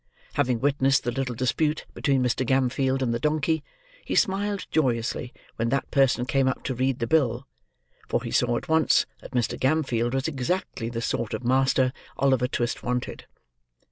Having witnessed the little dispute between Mr. Gamfield and the donkey, he smiled joyously when that person came up to read the bill, for he saw at once that Mr. Gamfield was exactly the sort of master Oliver Twist wanted.